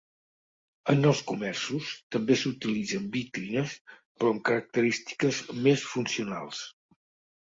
En els comerços, també s'utilitzen vitrines però amb característiques més funcionals.